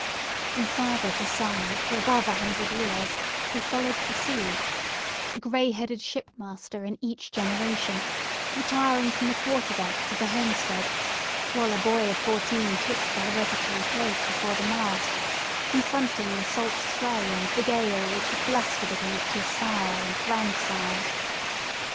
From father to son, for above a hundred years, they followed the sea; a grey headed shipmaster, in each generation, retiring from the quarter deck to the homestead, while a boy of fourteen took the hereditary place before the mast, confronting the salt spray and the gale which had blustered against his sire and grandsire.